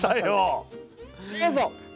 どうぞ。